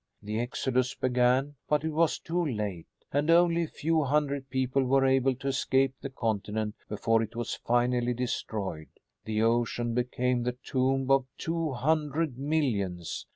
The exodus began, but it was too late, and only a few hundred people were able to escape the continent before it was finally destroyed. The ocean became the tomb of two hundred millions.